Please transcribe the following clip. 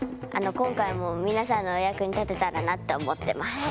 今回もみなさんのお役に立てたらなって思ってます。